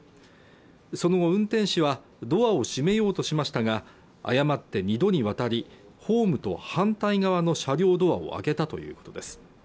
その後運転士はドアを閉めようとしましたが誤って２度にわたりホームと反対側の車両ドアを開けたということです